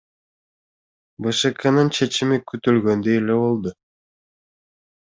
БШКнын чечими күтүлгөндөй эле болду.